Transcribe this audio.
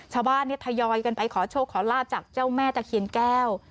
ชาวบ้านเนี่ยทยอยกันไปขอโชคขอลาบจากเจ้าแม่ตะเคียนแก้ว